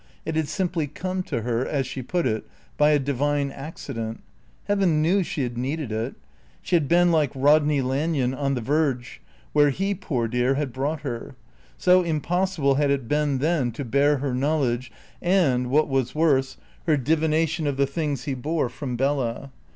It had simply come to her, as she put it, by a divine accident. Heaven knew she had needed it. She had been, like Rodney Lanyon, on the verge, where he, poor dear, had brought her; so impossible had it been then to bear her knowledge and, what was worse, her divination of the things he bore from Bella.